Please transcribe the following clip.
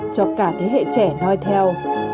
cho cả thế hệ trẻ nói theo